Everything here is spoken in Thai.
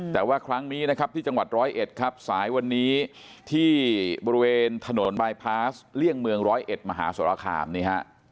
แต่ว่าครั้งนี้นะครับที่จังหวัดร้อยเอ็ดครับสายวันนี้ที่บริเวณถนนบายพาสเลี่ยงเมืองร้อยเอ็ดมหาสรคามนี่ฮะ